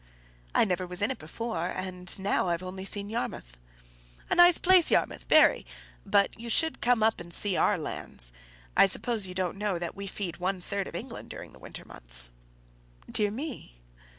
"I never was in it before, and now I've only seen Yarmouth." "A nice place, Yarmouth, very; but you should come up and see our lands. I suppose you don't know that we feed one third of England during the winter months." "Dear me!"